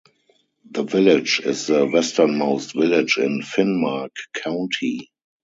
The village is the westernmost village in Finnmark county.